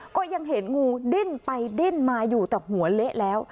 ก็ยังเห็นงูดิ้นไปดิ้นมาอยู่แต่หัวเละแล้ว